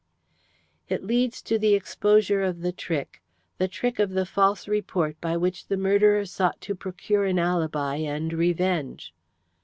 "It leads to the exposure of the trick the trick of a false report by which the murderer sought to procure an alibi and revenge."